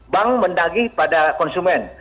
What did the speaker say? bank mendagi pada konsumen